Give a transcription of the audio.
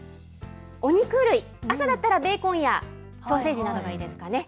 お肉類、朝だったら、ベーコンやソーセージなどがいいですかね。